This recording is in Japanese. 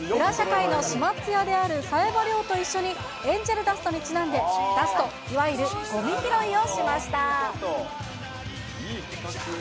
裏社会の始末屋である冴羽りょうと一緒に、エンジェルダストにちなんで、ダスト、いわゆるごみ拾いをしました。